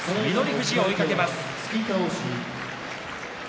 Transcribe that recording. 富士を追いかけます。